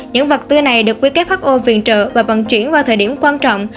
những vật tư này được who viện trợ và bận chuyển vào thời điểm quan trọng